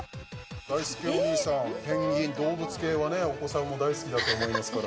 だいすけお兄さん、ペンギン動物系は、お子さんも大好きだと思いますから。